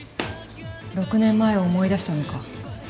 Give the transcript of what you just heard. ６年前を思い出したのか。